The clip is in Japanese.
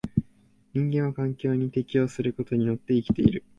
人間は環境に適応することによって生きている。